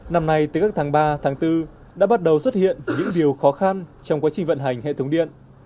năm nay từ các tháng ba tháng bốn đã bắt đầu xuất hiện những điều khó khăn trong quá trình vận hành hệ thống điện